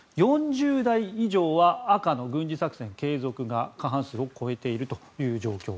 ４０代以上は赤の軍事作戦継続が過半数を超えているという状況。